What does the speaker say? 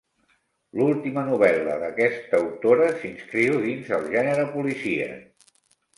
L'última novel·la d'aquesta autora s'inscriu dins el gènere policíac.